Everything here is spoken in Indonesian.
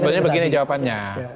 sebenarnya begini jawabannya